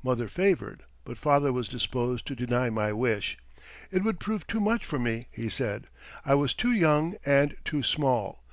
Mother favored, but father was disposed to deny my wish. It would prove too much for me, he said; I was too young and too small.